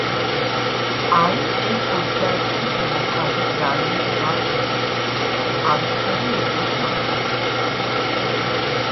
აი, ეს ოცდაექვსი შემოვხაზოთ რამე სხვა ფერით, ყავისფერი იყოს მაგალითად.